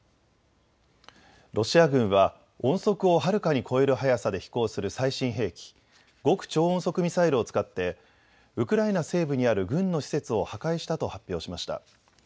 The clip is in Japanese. ロシア軍は音速をはるかに超える速さで飛行する最新兵器、極超音速ミサイルを使ってウクライナ西部にある軍の施設を破壊したと発表しました。